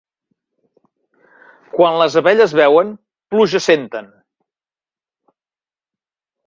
Quan les abelles beuen, pluja senten.